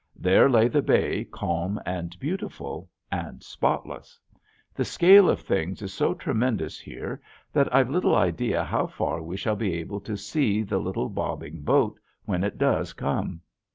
There lay the bay calm and beautiful and spotless. The scale of things is so tremendous here that I've little idea how far we shall be able to see the little, bobbing boat when it does come.